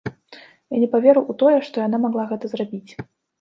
І не паверыў у тое, што яна магла гэта зрабіць.